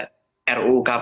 yang dikebut sekali